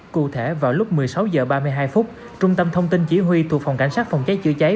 cụ thể vào lúc một mươi sáu h ba mươi hai phút trung tâm thông tin chỉ huy thuộc phòng cảnh sát phòng cháy chữa cháy